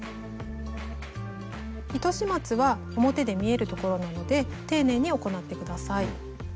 糸始末は表で見えるところなので丁寧に行って下さい。